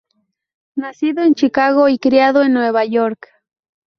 Nacido en Chicago y criado en Nueva York.